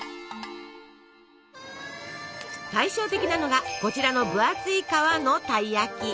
対照的なのがこちらの分厚い皮のたい焼き。